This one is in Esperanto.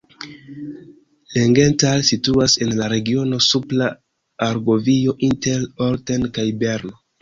Langenthal situas en la regiono Supra Argovio inter Olten kaj Berno.